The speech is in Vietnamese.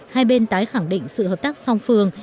hai bên tái khẳng định sự hợp tác song phương